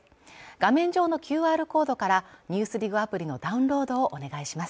画面上のＱＲコードから「ＮＥＷＳＤＩＧ」アプリのダウンロードをお願いします